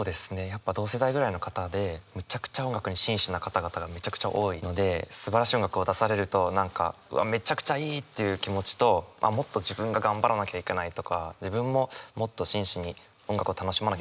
やっぱ同世代ぐらいの方でむちゃくちゃ音楽に真摯な方々がむちゃくちゃ多いのですばらしい音楽を出されると何かうわめちゃくちゃいい！っていう気持ちともっと自分が頑張らなきゃいけないとか自分ももっと真摯に音楽を楽しまなきゃいけないなと思う。